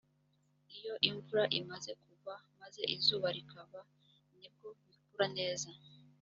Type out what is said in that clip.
iyo imvura imaze kugwa maze izuba rikava ni bwo bikura neza